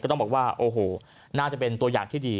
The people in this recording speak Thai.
ต้องบอกว่าโอ้โหน่าจะเป็นตัวอย่างที่ดี